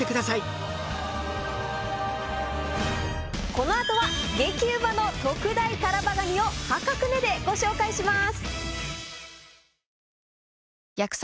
この後は激うまの特大タラバガニを破格値でご紹介します。